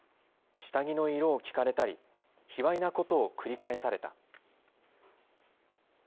下着の色を聞かれたり、卑わいなことを繰り返された。